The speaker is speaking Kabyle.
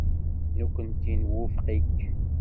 Nekkenti nwufeq-ik.